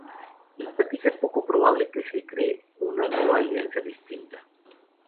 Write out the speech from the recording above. En la práctica es poco probable que se cree una nueva alianza distinta.